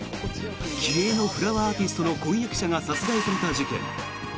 気鋭のフラワーアーティストの婚約者が殺害された事件。